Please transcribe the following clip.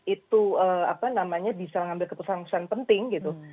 itu bisa mengambil keputusan keputusan penting gitu